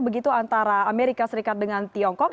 begitu antara amerika serikat dengan tiongkok